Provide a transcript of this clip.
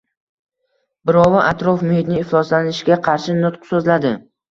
Birovi atrof-muhitni ifloslanishiga qarshi nutq so‘zladi.